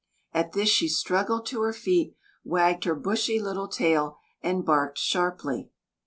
At this she struggled to her feet, wagged her bushy little tail, and barked sharply.